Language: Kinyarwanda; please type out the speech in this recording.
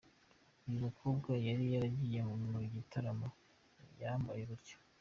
Uyu mukobwa yari yagiye mu gitaramo yambaye gutya!!.